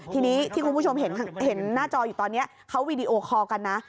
ทีนี้ที่คุณผู้ชมเห็นหน้าจออยู่ตอนนี้เขาวีดีโอคอลกันนะ